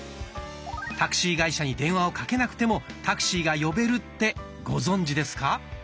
タクシー会社に電話をかけなくてもタクシーが呼べるってご存じですか？